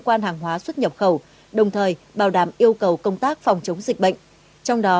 quan hàng hóa xuất nhập khẩu đồng thời bảo đảm yêu cầu công tác phòng chống dịch bệnh trong đó